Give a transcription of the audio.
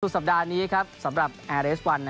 สัปดาห์นี้สำหรับแอร์เรสวัน